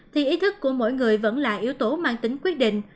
thì ý thức của mỗi người vẫn là yếu tố mang tính quyết định